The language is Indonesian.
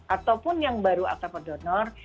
ataupun yang baru atau pendonor